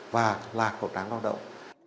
và là cầu tráng lao động